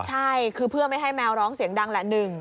ใช่คือเพื่อไม่ให้แมวร้องเสียงดังแหละ